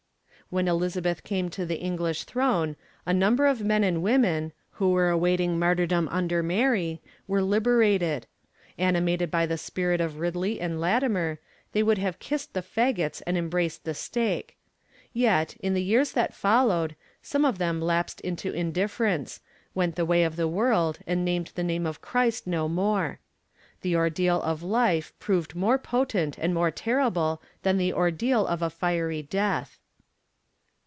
When Elizabeth came to the English throne, a number of men and women, who were awaiting martyrdom under Mary, were liberated. Animated by the spirit of Ridley and Latimer, they would have kissed the faggots and embraced the stake. Yet, in the years that followed, some of them lapsed into indifference, went the way of the world, and named the name of Christ no more. The ordeal of life proved more potent and more terrible than the ordeal of a fiery death.